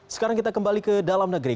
sekarang kita kembali ke dalam negeri